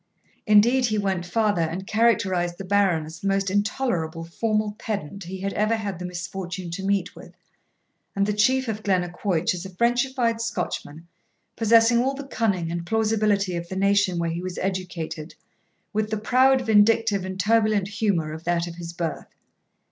Indeed he went farther, and characterised the Baron as the most intolerable formal pedant he had ever had the misfortune to meet with, and the Chief of Glennaquoich as a Frenchified Scotchman, possessing all the cunning and plausibility of the nation where he was educated, with the proud, vindictive, and turbulent humour of that of his birth.